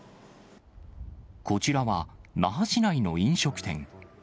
こちらは那覇市内の飲食店。